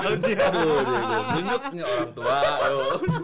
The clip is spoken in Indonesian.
aduh dia nyuknya orang tua